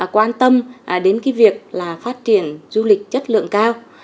quan tâm đến cái việc là phát triển du lịch chất lượng cao